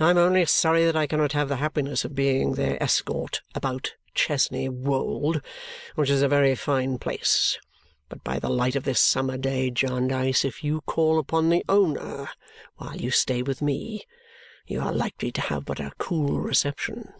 I am only sorry that I cannot have the happiness of being their escort about Chesney Wold, which is a very fine place! But by the light of this summer day, Jarndyce, if you call upon the owner while you stay with me, you are likely to have but a cool reception.